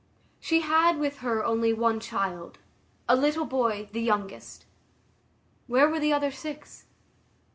She had with her only one child, a little boy, the youngest. Where were the other six?